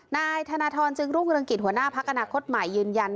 นายธนทรจึงรูปเงินกิจหัวหน้าภักรณาคตใหม่ยืนยัน